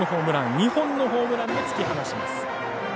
２本のホームランで突き放します。